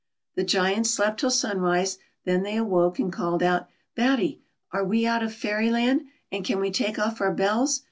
The Giants slept till sunrise, then they awoke, and called out: "Batty, are we out of Fairyland, and can we take off our bells